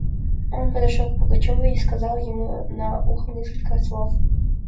Он подошел к Пугачеву и сказал ему на ухо несколько слов.